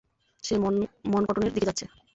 সে মনকটনের দিকে যাচ্ছে।